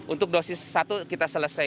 untuk dosis satu kita selesai